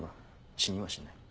死にはしない。